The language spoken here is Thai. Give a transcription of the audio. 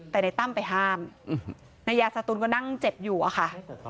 แต่ในตั้มไปห้ามนายาสตูนก็นั่งเจ็บอยู่อะค่ะ